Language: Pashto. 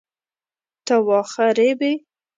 ته واخه ریبې؟